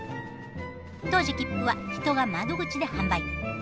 当時切符は人が窓口で販売。